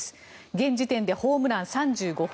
現時点でホームラン３５本。